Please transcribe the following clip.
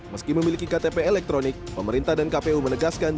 meski memiliki ktp elektronik pemerintah dan kpu menegaskan